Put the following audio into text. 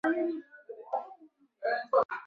加西认为这是个黄金时机。